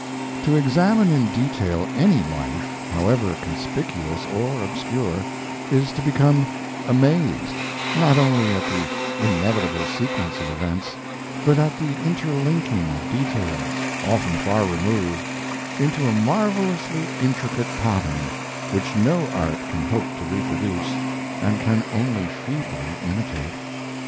To examine in detail any life, however conspicuous or obscure, is to become amazed not only at the inevitable sequence of events, but at the interlinking of details, often far removed, into a marvelously intricate pattern which no art can hope to reproduce, and can only feebly imitate.